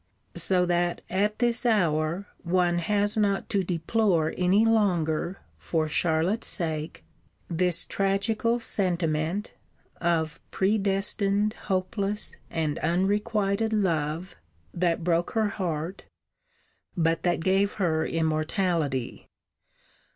So that at this hour one has not to deplore any longer, for Charlotte's sake, this tragical sentiment, of predestined, hopeless, and unrequited love, that broke her heart, but that gave her immortality.